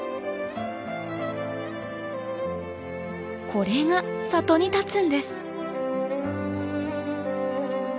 これが里に建つんです